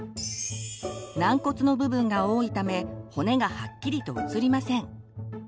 軟骨の部分が多いため骨がはっきりと写りません。